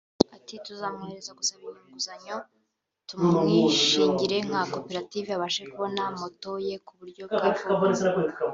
Ati “Tuzamworohereza gusaba inguzanyo tumwishingire nka cooperative abashe kubona moto ye ku buryo bwa vuba”